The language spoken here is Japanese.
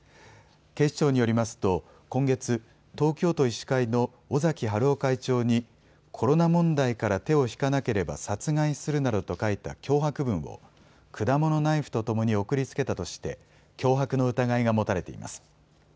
警視庁によりますと今月、東京都医師会の尾崎治夫会長にコロナ問題から手を引かなければ殺害するなどと書いた脅迫文を果物ナイフとともに送りつけたとして脅迫の疑いが持たれています。